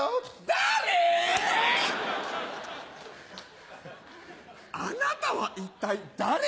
誰⁉あなたは一体誰よ？